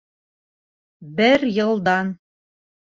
Бер йылдан